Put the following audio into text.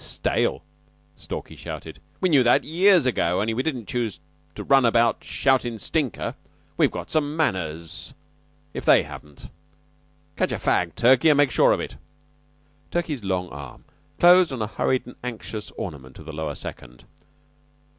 "Stale!" Stalky shouted. "We knew that years ago, only we didn't choose to run about shoutin' 'stinker.' We've got some manners, if they haven't. Catch a fag, Turkey, and make sure of it." Turkey's long arm closed on a hurried and anxious ornament of the Lower Second.